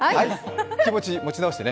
気持ち持ち直してね。